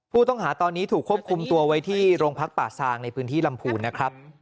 ผู้ต้องหาตอนนี้ถูกควบคุมตัวไว้ที่โรงพักป่าซางในพื้นที่ลำพูนนะครับ